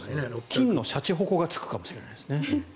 金のしゃちほこがつくかもしれないですね。